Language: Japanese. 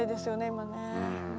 今ね。